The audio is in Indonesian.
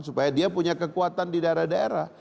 supaya dia punya kekuatan di daerah daerah